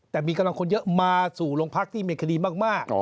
แต่มีกำลังคนเยอะมาสู่โรงพักที่มีคดีมาก